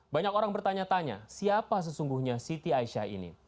banyak orang bertanya tanya siapa sesungguhnya siti aisyah ini